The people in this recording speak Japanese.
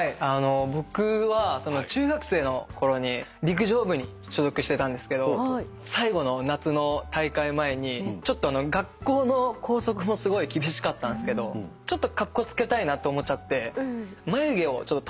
僕は中学生のころに陸上部に所属してたんですけど最後の夏の大会前に学校の校則もすごい厳しかったんすけどちょっとカッコつけたいなと思っちゃって眉毛をちょっと整えたんですよね。